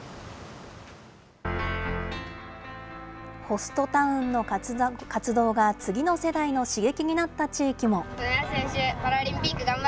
ホストタウンの活動が次の世代の刺激になった地域も。